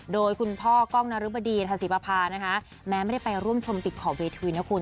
โดยคุณพ่อกล้องนรบดีทาศิปภานะคะแม้ไม่ได้ไปร่วมชมติดขอบเวทีนะคุณ